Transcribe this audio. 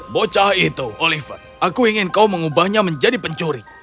bocah itu oliver aku ingin kau mengubahnya menjadi pencuri